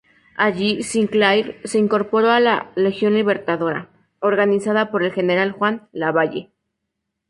Allí Sinclair se incorporó a la "Legión Libertadora" organizada por el general Juan Lavalle.